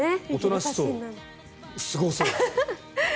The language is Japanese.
おとなしそうすごそう。